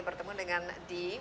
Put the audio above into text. pertemu dengan dee